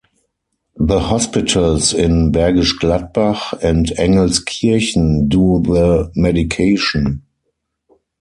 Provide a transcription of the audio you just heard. The hospitals in Bergisch Gladbach and Engelskirchen do the medication.